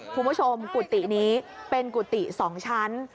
คุณผู้ชมกุฏินี้เป็นกุฏิ๒ชั้น